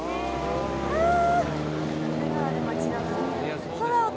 ああ